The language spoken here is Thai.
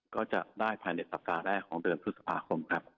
ก็จะได้ภายในสัปดาห์แรกของเดือนพฤษภาคมครับ